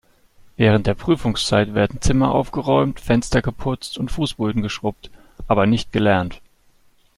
Während der Prüfungszeit werden Zimmer aufgeräumt, Fenster geputzt und Fußböden geschrubbt, aber nicht gelernt.